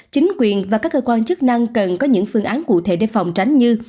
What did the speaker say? chính quyền và các cơ quan chức năng cần có những phương án cụ thể để phòng tránh như